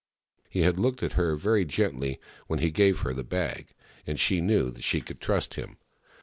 He had looked at her very gently when he gave her the bag, and she knew that she could trust him.